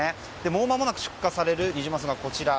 もうまもなく出荷されるニジマスがこちら。